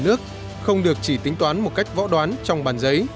nước không được chỉ tính toán một cách võ đoán trong bàn giấy